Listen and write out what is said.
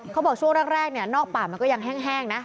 เขาบอกช่วงแรกเนี่ยนอกป่ามันก็ยังแห้งนะ